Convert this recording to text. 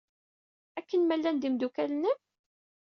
Akken ma llan d imeddukal-nnem?